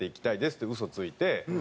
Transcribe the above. って嘘ついて。